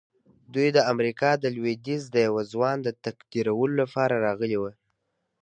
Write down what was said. دوی د امريکا د لويديځ د يوه ځوان د تقديرولو لپاره راغلي وو.